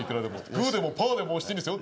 グーでもパーでも押していいんですよ。